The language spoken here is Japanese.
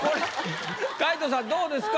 皆藤さんどうですか？